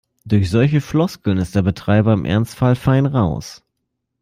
Durch solche Floskeln ist der Betreiber im Ernstfall fein raus.